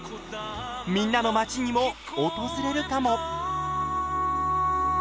みんなの町にも訪れるかも。